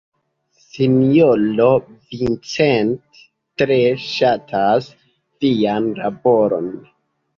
Sinjoro Vincent tre ŝatas vian laboron.